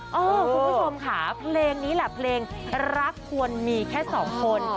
คุณผู้ชมค่ะเพลงนี้แหละเพลงรักควรมีแค่สองคน